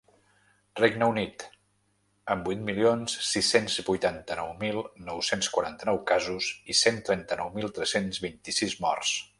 Regne Unit, amb vuit milions sis-cents vuitanta-nou mil nou-cents quaranta-nou casos i cent trenta-nou mil tres-cents vint-i-sis morts.